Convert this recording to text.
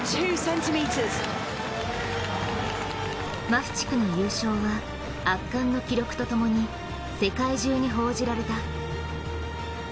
マフチクの優勝は、圧巻の記録とともに世界中に報じられた。